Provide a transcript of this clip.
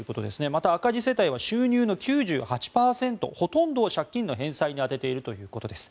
また、赤字世帯は収入の９８％、ほとんどを借金の返済に充てているということです。